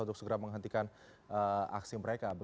untuk segera menghentikan aksi mereka